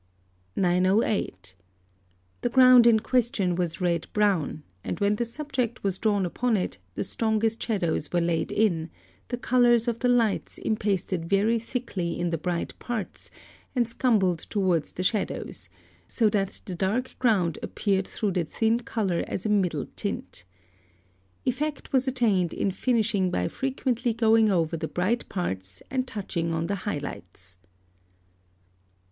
908. The ground in question was red brown, and when the subject was drawn upon it, the strongest shadows were laid in; the colours of the lights impasted very thickly in the bright parts, and scumbled towards the shadows, so that the dark ground appeared through the thin colour as a middle tint. Effect was attained in finishing by frequently going over the bright parts and touching on the high lights.